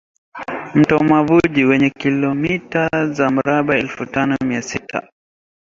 Mto Mavuji wenye kilometa za mraba elfu tano mia sita